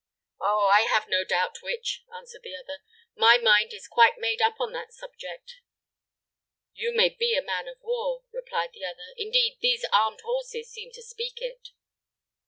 "Oh, I have no doubt which," answered the other. "My mind is quite made up on that subject." "You may be a man of war," replied the other. "Indeed, these armed horses seem to speak it."